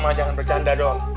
mama jangan bercanda dong